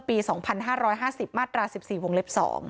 ปี๒๕๕๐มาตรา๑๔วงเล็บ๒